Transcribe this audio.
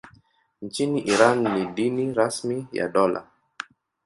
Nchini Iran ni dini rasmi ya dola.